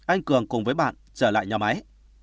anh cường cùng với bạn trở lại nhà máy